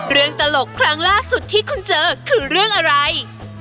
ตลกครั้งล่าสุดที่คุณเจอคือเรื่องอะไร